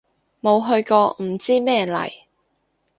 冇去過唔知咩嚟